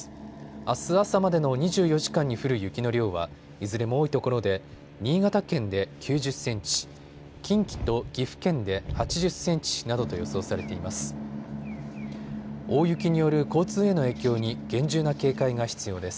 あす朝までの２４時間に降る雪の量はいずれも多いところで新潟県で９０センチ、近畿と岐阜県で８０センチなどと予想されています。